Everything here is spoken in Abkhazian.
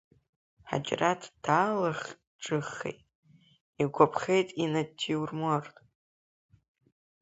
Ҳаџьараҭ даалахҿыххеит, игәаԥхеит инатиурморт.